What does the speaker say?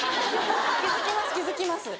気付きます気付きます。